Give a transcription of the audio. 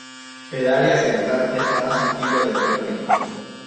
El área central es la más antigua del jardín.